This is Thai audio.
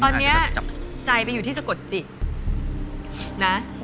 ตอนนี้ที่ใจเป็นวัตถุประสงค์